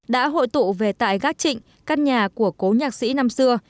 đã hội tụ về tại gác trịnh căn nhà của cố nhạc sĩ năm xưa